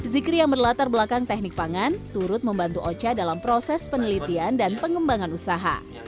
zikri yang berlatar belakang teknik pangan turut membantu ocha dalam proses penelitian dan pengembangan usaha